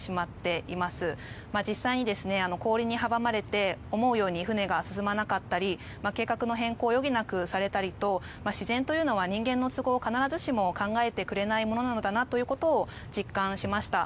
実際に氷に阻まれて思うように船が進まなかったり計画の変更を余儀なくされたりと自然というのは人間の都合を必ずしも考えてくれないものなのだなということを実感しました。